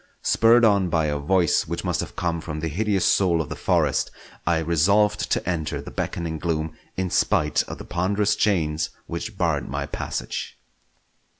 Spurred on by a voice which must have come from the hideous soul of the forest, I resolved to enter the beckoning gloom in spite of the ponderous chains which barred my passage.